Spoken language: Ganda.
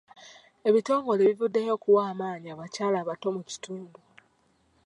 Ebitongole bivuddeyo okuwa amaanyi abakyala abato mu kitundu.